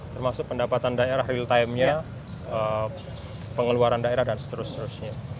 termasuk pendapatan daerah real timenya pengeluaran daerah dan seterusnya